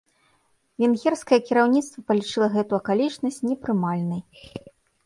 Венгерскае кіраўніцтва палічыла гэту акалічнасць непрымальнай.